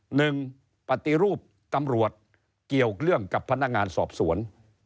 หนึ่งปฏิรูปตำรวจเกี่ยวเรื่องกับพนักงานสอบสวน